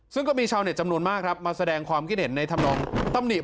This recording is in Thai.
ซึ่งก็มีชาวเน็ตจำนวนมากครับมาแสดงความคิดเห็นในธรรมนองตำหนิ